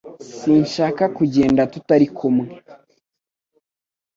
Sinshaka kugenda tutari kumwe